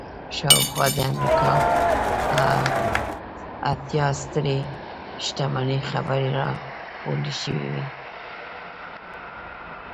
شاوخوا د امريکا اتيا سترې شتمنې څېرې را غونډې شوې وې.